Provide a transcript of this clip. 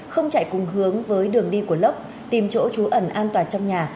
không chạy cùng hướng với đường đi của lốc tìm chỗ trú ẩn an toàn trong nhà